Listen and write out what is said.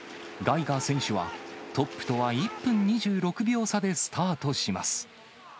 ガイガー選手は、トップとは１分２６秒差でスタートします。